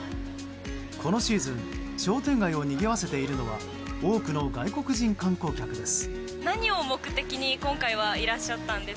このシーズン商店街をにぎわせているのは多くの外国人観光客です。